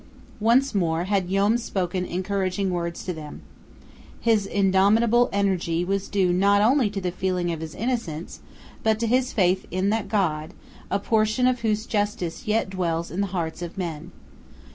Once more had Joam spoken encouraging words to them. His indomitable energy was due not only to the feeling of his innocence, but to his faith in that God, a portion of whose justice yet dwells in the hearts of men.